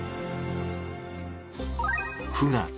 ９月。